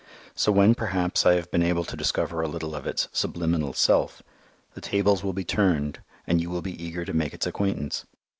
So when, perhaps, I have been able to discover a little of its "subliminal self," the tables will be turned, and you will be eager to make its acquaintance.